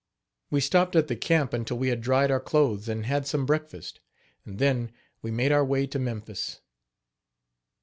We stopped at the camp until we had dried our clothes and had some breakfast; and, then, we made our way to Memphis.